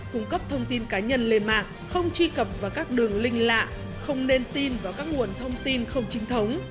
cung cấp thông tin cá nhân lên mạng không truy cập vào các đường linh lạ không nên tin vào các nguồn thông tin không chính thống